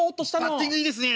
「バッティングいいですね」。